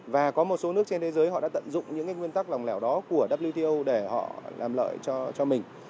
và có một số nước trên thế giới họ đã tận dụng những nguyên tắc lòng lẻo đó của wto để họ làm lợi cho mình